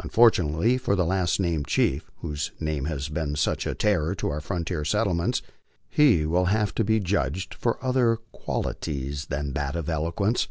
Unfortunately for the last named chief, whose name has been such a terror to our frontier settlements, ha will have to be judged for other qualities than that of eloquence.